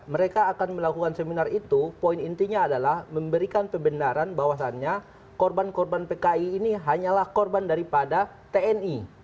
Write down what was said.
mereka akan melakukan seminar itu poin intinya adalah memberikan pembenaran bahwasannya korban korban pki ini hanyalah korban daripada tni